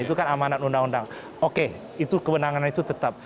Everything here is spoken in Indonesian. itu kan amanat undang undang oke itu kewenangan itu tetap